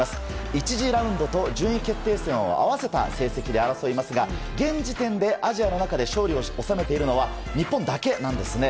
１次ラウンドと順位決定戦を合わせた成績で争いますが現時点でアジアの中で勝利を収めているのは日本だけなんですね。